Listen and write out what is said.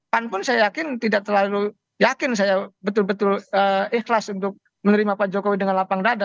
pan pun saya yakin tidak terlalu yakin saya betul betul ikhlas untuk menerima pak jokowi dengan lapang dada